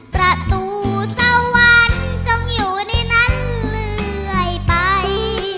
ประตูเจ้าวันจงอยู่ในนั้นเลยไป